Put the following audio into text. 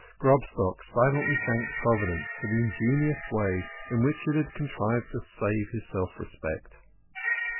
Grobstock silently thanked Provi dence for the ingenious way in which it had contrived to save his self respect.